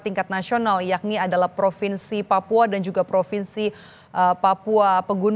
dan suara partai dan suara calon